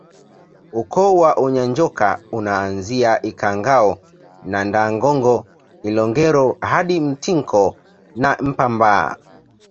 Ukoo wa Unyanjoka unaanzia Ikhangao na Ndaangongo Ilongero hadi Mtinko na Mpambaa